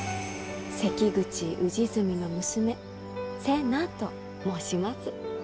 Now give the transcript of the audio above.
関口氏純の娘瀬名と申します。